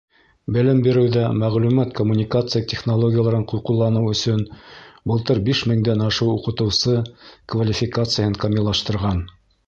Белем биреүҙә мәғлүмәт-коммуникация технологияларын ҡулланыу өсөн былтыр биш меңдән ашыу уҡытыусы квалификацияһын камиллаштырған.